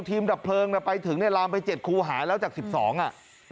ทีมดับเพลิงลามไป๗คูหาแล้วจาก๑๒อ่ะ